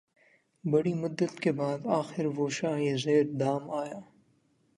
بڑی مدت کے بعد آخر وہ شاہیں زیر دام آیا